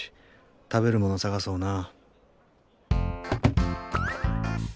食べるもの探そうな。